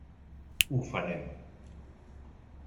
Ho farem.